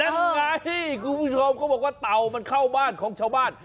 ไงคุณผู้ชมเขาบอกว่าเต่ามันเข้าบ้านของชาวบ้าน